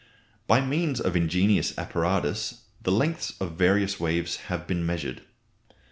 By means of ingenious apparatus the lengths of various waves have been measured.